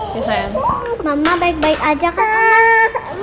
iya sayang mama baik baik aja kak